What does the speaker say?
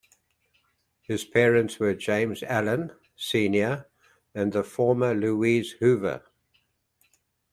His parents were James Allen, Senior and the former Louise Hoover.